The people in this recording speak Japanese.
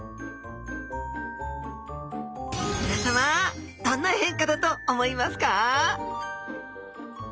皆さまどんな変化だと思いますか？